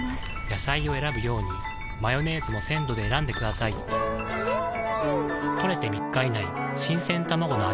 野菜を選ぶようにマヨネーズも鮮度で選んでくださいん！